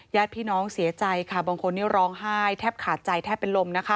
ญาติพี่น้องเสียใจค่ะบางคนนี้ร้องไห้แทบขาดใจแทบเป็นลมนะคะ